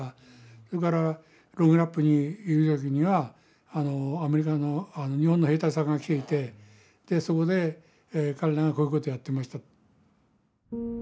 それからロンゲラップにいる時にはアメリカの日本の兵隊さんが来ていてそこで彼らがこういうことをやってました。